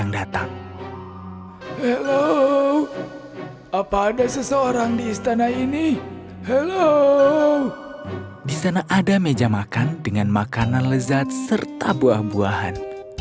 di sana ada meja makan dengan makanan lezat serta buah buahan